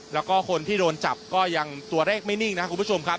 แล้วก็คนที่โดนจับก็ยังตัวเลขไม่นิ่งนะครับคุณผู้ชมครับ